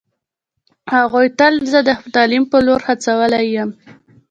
هغوی تل زه د تعلیم په لور هڅولی یم